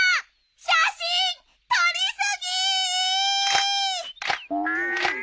写真撮り過ぎ！